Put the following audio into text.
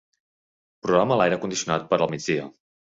Programa l'aire condicionat per al migdia.